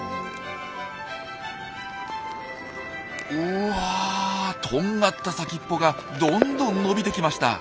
うわとんがった先っぽがどんどん伸びてきました。